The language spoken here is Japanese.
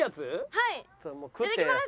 はいいただきます。